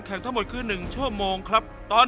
จะต้องทำกายโปรดูเกรดและขนมปังฝรั่งเศส